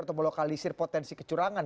atau melokalisir potensi kecurangan